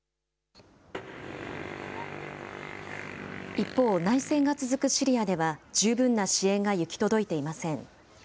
一方、内戦が続くシリアでは、十分な支援が行き届いていません。